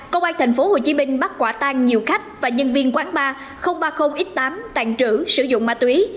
công an tp hcm bắt quả tan nhiều khách và nhân viên quán ba ba mươi x tám tàn trữ sử dụng ma túy